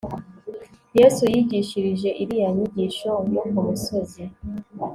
yesu yigishirije iriya nyigisho yo ku musozi